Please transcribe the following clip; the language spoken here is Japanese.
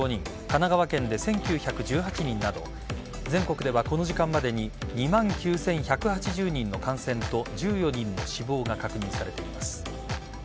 神奈川県で１９１８人など全国ではこの時間までに２万９１８０人の感染と１４人の死亡が確認されています。